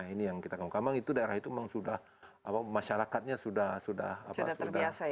nah ini yang kita kembang kambang itu daerah itu memang sudah masyarakatnya sudah terbiasa ya